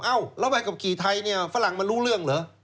แล้วใบขับขี่ไทยเนี่ยฝรั่งมันรู้เรื่องเหรอ